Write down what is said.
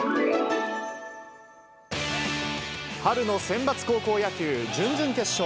春のセンバツ高校野球準々決勝。